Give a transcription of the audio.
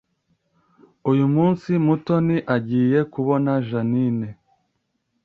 Uyu munsi Mutoni agiye kubona Jeaninne